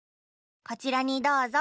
こちらにどうぞ。